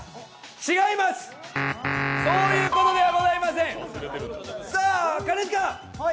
違います、そういうことではございません。